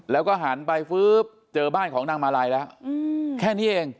แล้วก็หันไปฟื๊บเจอบ้านของนางมาลัยแล้วแค่นี้เอง